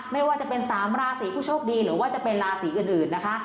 ไม่ว่าจะเป็น๓ราศีผู้โชคดีหรือว่าจะเป็นราศีอื่นนะคะ